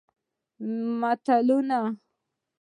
متلونه